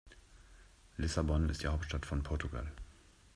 Lissabon ist die Hauptstadt von Portugal.